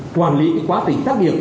quản lý quá trình trắc nghiệm